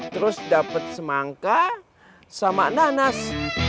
terus dapat semangka sama nanas